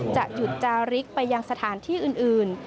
จะหยุดจาริกไปยังสถานที่อื่น